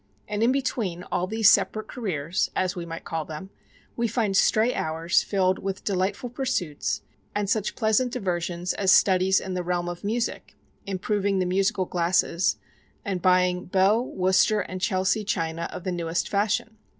And in between all these separate careers, as we might call them, we find stray hours filled with delightful pursuits and such pleasant diversions as studies in the realm of music, improving the musical glasses, and buying Bow, Worcester, and Chelsea china of the newest fashion.